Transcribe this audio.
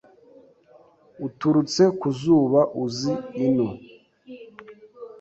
uturutse ku zuba. uzi ino